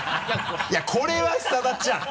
いやこれは久田ちゃん！